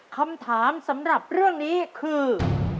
คำถามสำหรับเรื่องนี้คือ